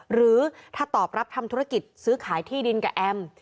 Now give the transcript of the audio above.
หรือถ้าตอบรับทำธุรกิจซื้อขายที่ดินกับแอม